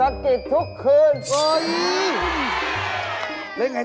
เจ๋งนี่